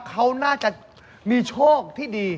เขาน่าจะมีโชคที่ดี